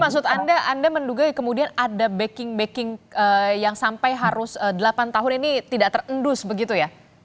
maksud anda anda menduga ya kemudian ada backing backing yang sampai harus delapan tahun ini tidak terendus begitu ya